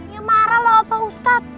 ya marah loh opa ustad